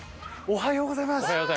おはようございます。